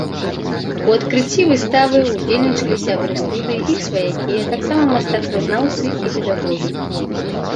У адкрыцці выставы ўдзельнічалі сябры студыі, іх сваякі, а таксама мастацтвазнаўцы і педагогі.